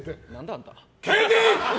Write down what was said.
あんた。